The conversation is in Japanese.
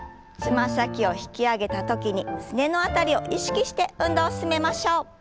つま先を引き上げた時にすねの辺りを意識して運動を進めましょう。